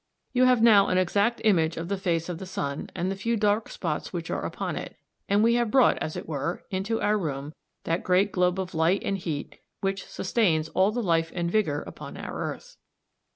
You have now an exact image of the face of the sun and the few dark spots which are upon it, and we have brought, as it were, into our room that great globe of light and heat which sustains all the life and vigour upon our earth.